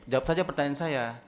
jawab saja pertanyaan saya